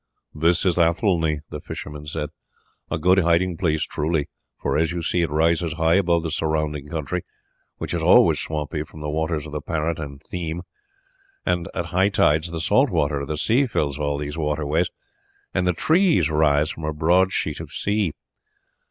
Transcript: "This is Athelney," the fisherman said, "a good hiding place truly; for, as you see, it rises high over the surrounding country, which is always swampy from the waters of the Parrot and Theme, and at high tides the salt water of the sea fills all these waterways, and the trees rise from a broad sheet of sea.